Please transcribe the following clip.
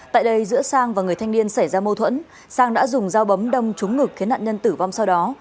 tại đây giữa sang và người thanh niên xảy ra mâu thuẫn sang đã dùng dao bấm đông trúng ngực khiến nạn nhân tử vong sau đó